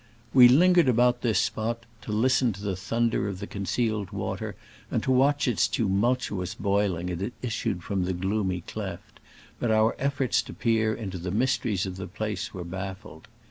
We lingered about this spot to listen to the thunder of the concealed water, and to watch its tumultuous boiling as it issued from the gloomy cleft, but our efforts to peer into the mysteries of the place were baffled.